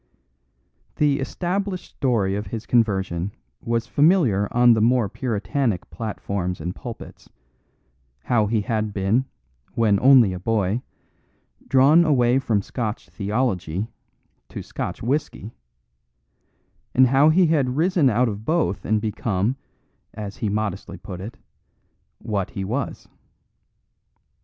The established story of his conversion was familiar on the more puritanic platforms and pulpits, how he had been, when only a boy, drawn away from Scotch theology to Scotch whisky, and how he had risen out of both and become (as he modestly put it) what he was.